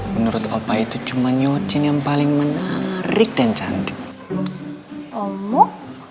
menurut opa itu cuma nyucing yang paling menarik dan cantik